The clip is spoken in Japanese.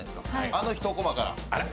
あの一コマから。